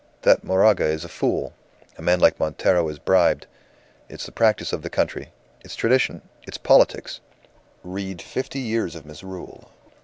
That Moraga is a fool! A man like Montero is bribed. It's the practice of the country. It's tradition it's politics. Read 'Fifty Years of Misrule.